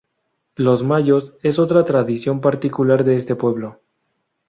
Los Mayos es otra tradición particular de este pueblo.